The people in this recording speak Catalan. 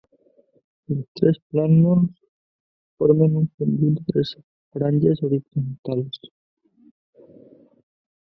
Els tres plànols formen un conjunt de tres franges horitzontals.